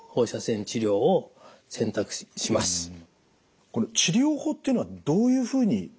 この治療法っていうのはどういうふうに選択していくものなんですか？